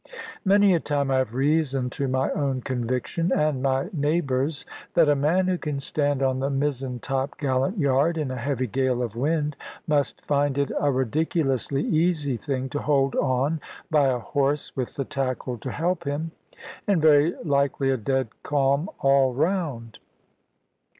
Many a time I have reasoned to my own conviction and my neighbours', that a man who can stand on the mizzen top gallant yard in a heavy gale of wind, must find it a ridiculously easy thing to hold on by a horse with the tackle to help him, and very likely a dead calm all round.